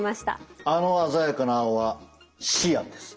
あの鮮やかな青はシアンです。